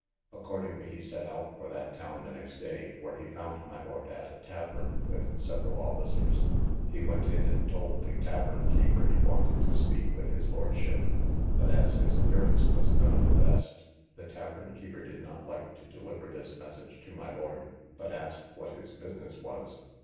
Accordingly he set out for that town the next day, where he found my lord at a tavern with several officers; he went in, and told the tavern keeper he wanted to speak with his lordship; but, as his appearance was none of the best, the tavern keeper did not like to deliver this message to my lord, but asked what his business was.